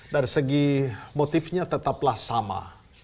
dari segi motifnya tetaplah sama